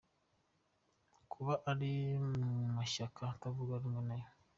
Kuba bari mu mashyaka atavuga rumwe nayo